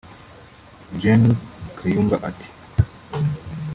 Gen Kayumba ati